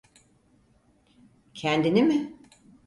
Kendini mi?